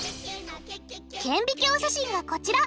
顕微鏡写真がこちら！